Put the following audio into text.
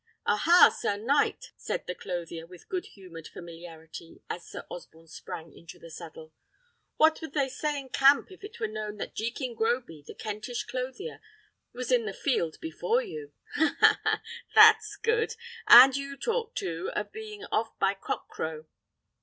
"Ah, ha! sir knight," said the clothier, with good humoured familiarity, as Sir Osborne sprang into the saddle, "what would they say in camp if it were known that Jekin Groby, the Kentish clothier, was in the field before you? Ha, ha, ha! that's good! And you talked, too, of being off by cock crow!